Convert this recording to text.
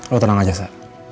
lo tenang aja sa